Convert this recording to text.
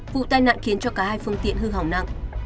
vụ tai nạn khiến cho cả hai phương tiện hư hỏng nặng